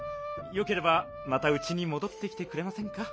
よければまたうちにもどってきてくれませんか？